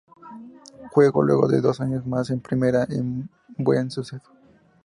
Jugó luego dos años más en primera con buen suceso.